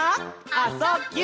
「あ・そ・ぎゅ」